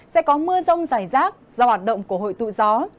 sẽ có mưa rông rải rác do hoạt động của hội tụ gió